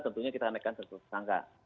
tentunya kita akan naikkan sesuatu sangka